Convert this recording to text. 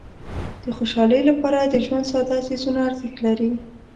د خوشحالۍ لپاره د ژوند ساده څیزونه ارزښت لري.